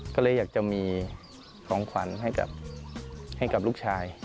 ก็เลยอยากจะมีของขวัญให้กับลูกชาย